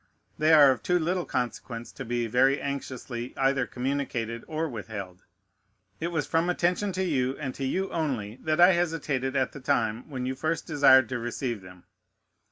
They are of too little consequence to be very anxiously either communicated or withheld. It was from attention to you, and to you only, that I hesitated at the time when you first desired to receive them.